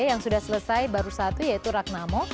yang sudah selesai baru satu yaitu ragnamo